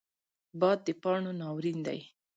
باد د پاڼو ناورین دی